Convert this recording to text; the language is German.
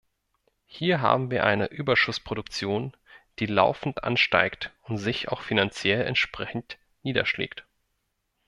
Hier haben wir eine Überschussproduktion, die laufend ansteigt und sich auch finanziell entsprechend niederschlägt.